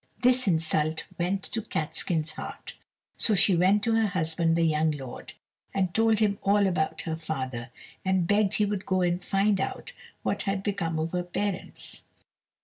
This insult went to Catskin's heart, so she went to her husband, the young lord, and told him all about her father, and begged he would go and find out what had become of her parents.